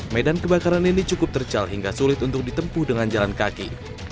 medan kebakaran ini cukup tercal hingga sulit untuk ditempuh dengan jalan kaki